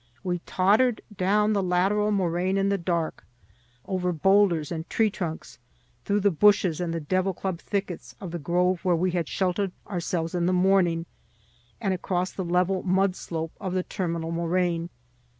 We tottered down the lateral moraine in the dark, over boulders and tree trunks, through the bushes and devil club thickets of the grove where we had sheltered ourselves in the morning, and across the level mud slope of the terminal moraine.